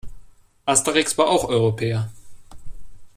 Asterix war auch Europäer.